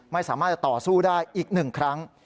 ไม่สามารถจะต่อสู้ได้อีก๑ครั้ง